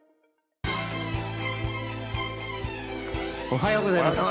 おはようございます。